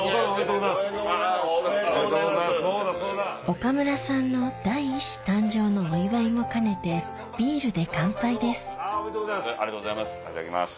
岡村さんの第１子誕生のお祝いも兼ねておめでとうございます。